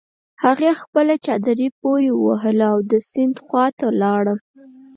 هغې خپله چادري پورې وهله او د سيند خواته لاړه.